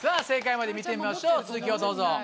正解まで見てみましょう続きをどうぞ！